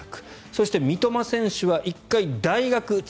そして三笘選手は１回筑波大学